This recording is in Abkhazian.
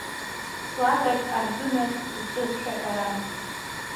Ҵлакаҿ ардәынак зҿыз шәаҳәаран…